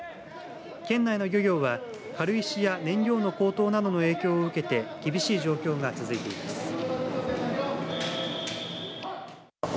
県内の漁業は軽石や燃料の高騰などの影響を受けて厳しい状況が続いています。